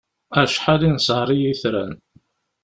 Acḥal i nesher i yetran!